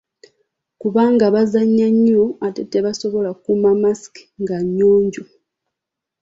Kubanga bazannya nnyo ate era tebasobola kukuuma masiki nga nnyonjo.